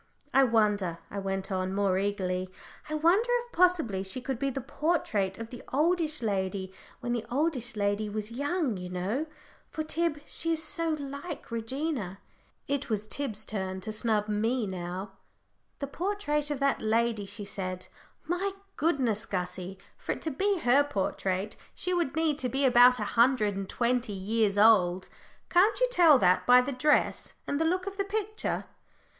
"I wonder," I went on, more eagerly, "I wonder if possibly she could be the portrait of the oldish lady when the oldish lady was young, you know, Tib, for she is so like Regina." It was Tib's turn to snub me now. "The portrait of that lady," she said. "My goodness, Gussie! for it to be her portrait she would need to be about a hundred and twenty years old. Can't you tell that by the dress, and the look of the picture?"